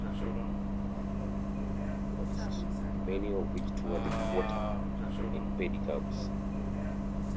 This area abounds with tourists, many of which tour the quarter in pedicabs.